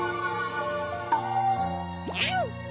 ニャン！